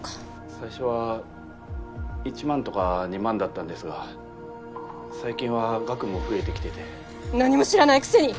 最初は１万とか２万だったんですが最近は額も増えてきてて何も知らないクセに。